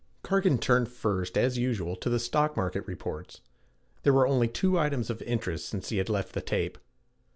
Cargan turned first, as usual, to the stock market reports. There were only two items of interest since he had left the tape.